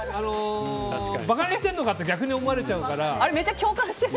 馬鹿にしてんのかって逆に思われちゃうから。